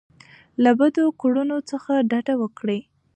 له بدو کړنو څخه ډډه وکړئ.